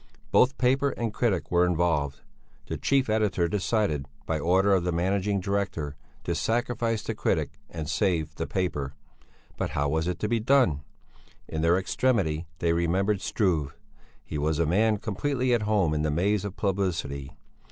Both paper and critic were involved. The chief editor decided, by order of the managing director, to sacrifice the critic and save the paper. But how was it to be done? In their extremity they remembered Struve. He was a man completely at home in the maze of publicity.